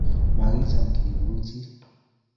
Magicham, kiipuch